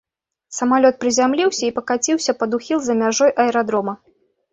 Самалёт прызямліўся і пакаціўся пад ухіл за мяжой аэрадрома.